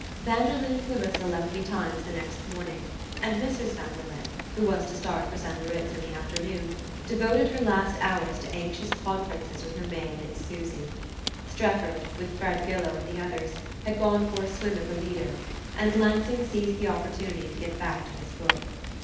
Vanderlyn and Clarissa left betimes the next morning; and Mrs. Vanderlyn, who was to start for St. Moritz in the afternoon, devoted her last hours to anxious conferences with her maid and Susy. Strefford, with Fred Gillow and the others, had gone for a swim at the Lido, and Lansing seized the opportunity to get back to his book.